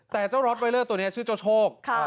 แต่เจ้าล็อตไวเลอร์ตัวนี้ชื่อเจ้าโชค